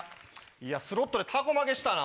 いやスロットでタコ負けしたな。